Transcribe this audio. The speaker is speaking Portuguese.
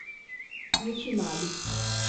intimados